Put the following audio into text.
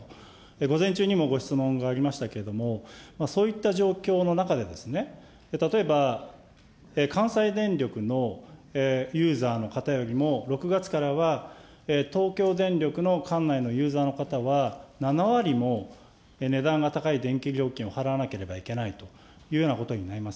午前中にもご質問がありましたけれども、そういった状況の中でですね、例えば、関西電力のユーザーの方よりも、６月からは、東京電力の管内のユーザーの方は７割も値段が高い電気料金を払わなければいけないというようなことになります。